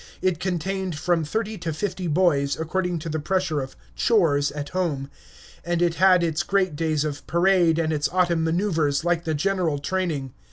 It contained from thirty to fifty boys, according to the pressure of "chores" at home, and it had its great days of parade and its autumn maneuvers, like the general training.